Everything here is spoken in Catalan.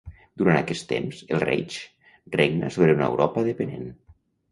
Durant aquest temps, el Reich regna sobre una Europa depenent.